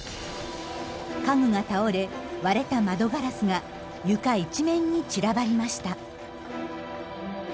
家具が倒れ割れた窓ガラスが床一面に散らばりました。